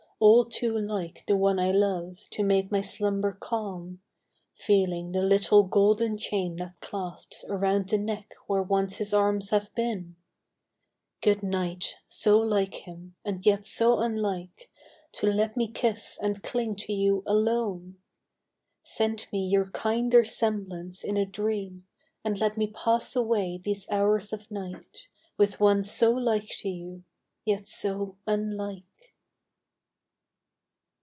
all too like The one I love to make my slumber calm, Feeling the little golden chain that clasps Around the neck where once his arms have been ! Good night, so like him, and yet so unlike, To let me kiss and cling to you alone ! Send me your kinder semblance in a dream, And let me pass away these hours of night With one so like to you, yet so unlike